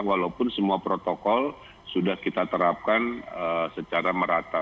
walaupun semua protokol sudah kita terapkan secara merata